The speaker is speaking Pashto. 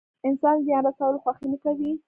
انسان زيان رسولو خوښي نه کوي.